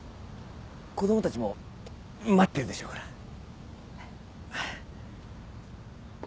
子供たちも待ってるでしょうから。